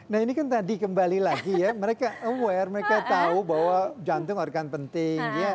nah ini kan tadi kembali lagi ya mereka aware mereka tahu bahwa jantung organ penting